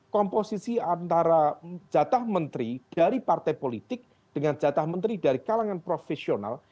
komposisi antara jatah menteri dari partai politik dengan jatah menteri dari kalangan profesional